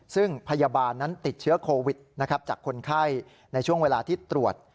ซึ่งพยาบาลนั้นติดเชื้อโควิดนะครับจากคนไข้ในช่วงเวลาที่ตรวจ